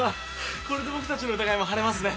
これで僕たちの疑いも晴れますね。